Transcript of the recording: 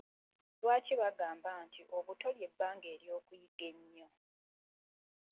Lwaki bagamba nti: Obuto lye bbanga ery'okuyiga ennyo?